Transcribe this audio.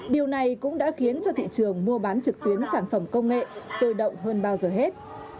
điều này cũng đã khiến cho thị trường mua bán trực tuyến sản phẩm công nghệ sôi động hơn bao giờ hết